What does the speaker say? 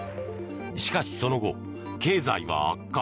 しかし、その後、経済は悪化。